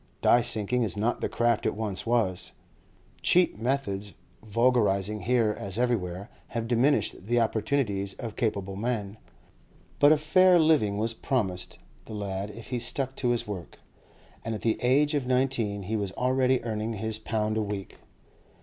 Die sinking is not the craft it once was; cheap methods, vulgarising here as everywhere, have diminished the opportunities of capable men; but a fair living was promised the lad if he stuck to his work, and at the age of nineteen he was already earning his pound a week.